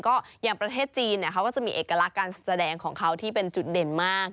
ก็อย่างประเทศจีนเขาก็จะมีเอกลักษณ์การแสดงของเขาที่เป็นจุดเด่นมาก